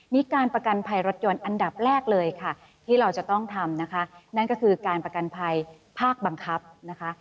มีการประกันภัยรถยนต์อันดับแรกเลยค่ะที่เราจะต้องทำนะคะนั่นก็คือการประกันภัยภาคบังคับนะคะ